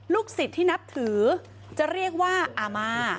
ศิษย์ที่นับถือจะเรียกว่าอาม่า